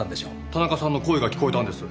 田中さんの声が聞こえたんです。